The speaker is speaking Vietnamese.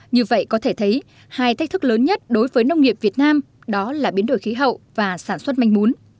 như vậy có thể thấy hai thách thức lớn nhất đối với nông nghiệp việt nam đó là biến đổi khí hậu và sản xuất manh mún